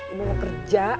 ibu mau kerja